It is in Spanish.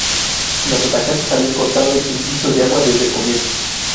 Los atacantes habían cortado el suministro de agua desde el comienzo.